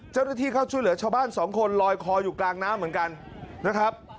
เจ้าหน้าที่เข้าช่วยเหลือชาวบ้านสองคนลอยคออยู่กลางน้ำเหมือนกันนะครับ